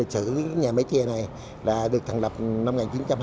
lịch sử nhà máy trà này được thành lập năm một nghìn chín trăm hai mươi bảy